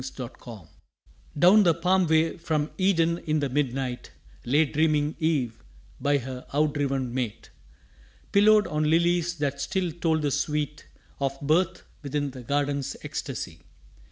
THE CRY OF EVE Down the palm way from Eden in the mid night Lay dreaming Eve by her outdriven mate, Pillowed on lilies that still told the sweet Of birth within the Garden's ecstasy.